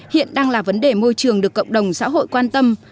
hiện đang là vấn đề môi trường được cộng đồng xã hội quan tâm